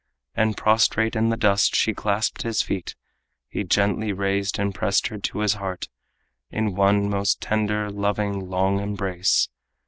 And prostrate in the dust she clasped his feet. He gently raised and pressed her to his heart In one most tender, loving, long embrace.